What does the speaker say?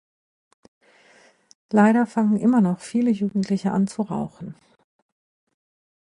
Leider fangen immer noch viele Jugendliche an zu rauchen.